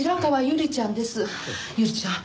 友里ちゃん